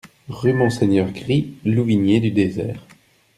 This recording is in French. Rue Monseigneur Gry, Louvigné-du-Désert